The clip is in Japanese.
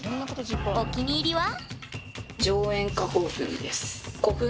お気に入りは？